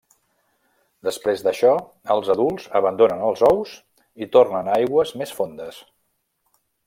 Després d'això, els adults abandonen els ous i tornen a aigües més fondes.